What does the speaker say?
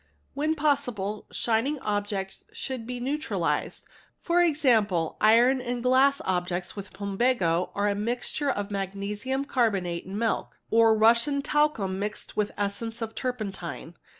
When possible, shining objects should be neutralized, — for example iron and glass objects with plumbago or with a mixture of magnesium carbonate and milk, or Russian talcum mixed with essence of © turpentine.